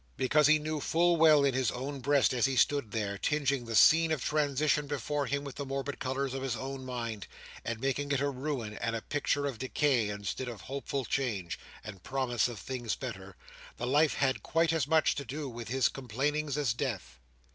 Because he knew full well, in his own breast, as he stood there, tinging the scene of transition before him with the morbid colours of his own mind, and making it a ruin and a picture of decay, instead of hopeful change, and promise of better things, that life had quite as much to do with his complainings as death.